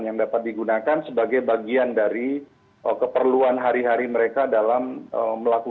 yang dapat digunakan sebagai bagian dari keperluan hari hari mereka dalam melakukan